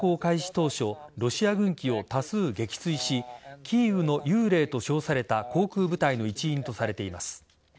当初ロシア軍機を多数撃墜しキーウの幽霊と称された航空部隊の一員とされています。